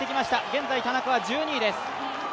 現在田中は１２位です。